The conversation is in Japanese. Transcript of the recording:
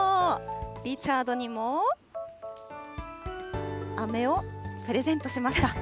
リチャードにもあめをプレゼントしました。